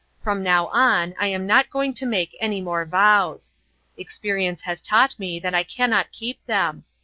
From now on I am not going to make any more vows. Experience has taught me that I cannot keep them.